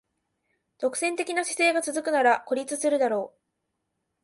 独占的な姿勢が続くなら孤立するだろう